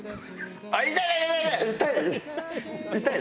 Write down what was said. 痛い？